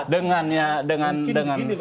dengan dengan dengan